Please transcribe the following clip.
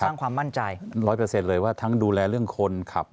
สร้างความมั่นใจร้อยเปอร์เซ็นต์เลยว่าทั้งดูแลเรื่องคนขับ